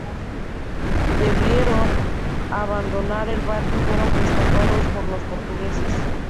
Debieron abandonar el barco y fueron rescatados por los portugueses.